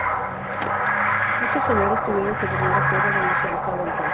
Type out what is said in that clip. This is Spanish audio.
Muchos señores tuvieron que dormir afuera donde se alojaba el rey.